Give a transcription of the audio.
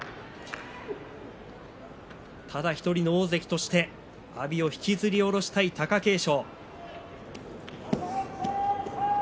ただ１人の大関として阿炎を引きずり下ろしたい貴景勝。